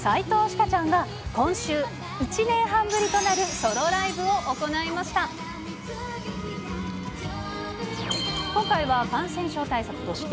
夏ちゃんが、今週、１年半ぶりとなるソロライブを行いました。